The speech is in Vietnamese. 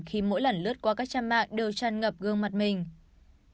khi mỗi lần lướt qua các trang mạng đều tràn ngập gương mặt mình